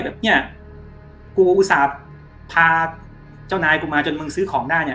แบบเนี่ยกูอุตส่าห์พาเจ้านายกูมาจนมึงซื้อของได้เนี่ย